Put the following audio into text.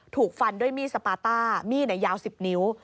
ถูกฟันด้วยมีดสปาต้ามีดยาว๑๐นิ้ว